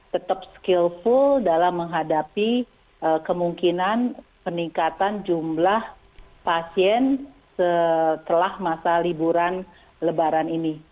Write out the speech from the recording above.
tetap skillful dalam menghadapi kemungkinan peningkatan jumlah pasien setelah masa liburan lebaran ini